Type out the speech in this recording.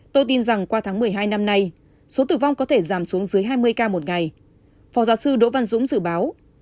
tôi tin rằng qua tháng một mươi hai năm nay số tử vong có thể giảm xuống dưới hai mươi ca một ngày phó giáo sư đỗ văn dũng dự báo